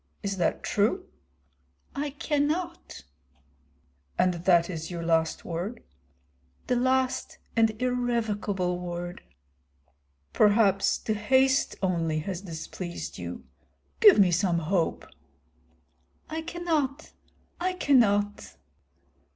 Is that true?" "I cannot." "And that is your last word?" "The last and irrevocable word." "Perhaps the haste only has displeased you. Give me some hope." "I cannot, I cannot."